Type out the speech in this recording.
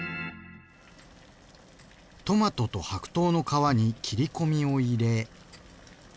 トマトと白桃の皮に切り込みを入れ。